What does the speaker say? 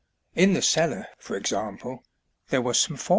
In the cellar, for example, there was some '47 port....